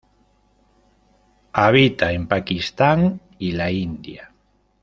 Habita en Pakistán y la India.